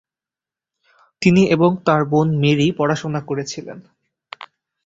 তিনি এবং তাঁর বোন মেরি পড়াশোনা করেছিলেন।